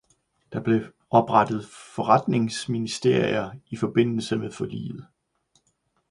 Der blev oprettet forretningsministerie i forbindelse med forliget.